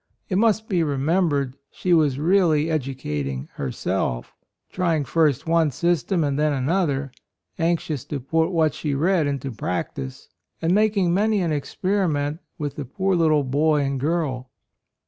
It must be remembered she was really educating herself— trying first one system and then another, anxious to put what she read into practice, and making many an experiment with the poor little boy and girl.